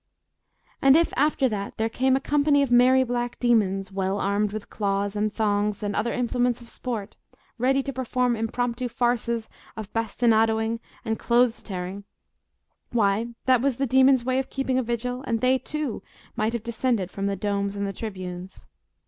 And if, after that, there came a company of merry black demons well armed with claws and thongs, and other implements of sport, ready to perform impromptu farces of bastinadoing and clothes tearing, why, that was the demons' way of keeping a vigil, and they, too, might have descended from the domes and the tribunes.